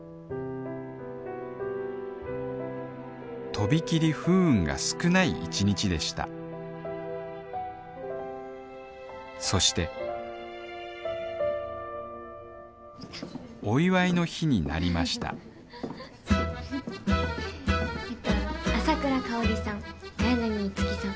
とびきり不運が少ない１日でしたそしてお祝いの日になりました朝倉香さん綾波樹さん。